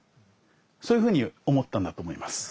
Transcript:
そういうふうに思ったんだと思います。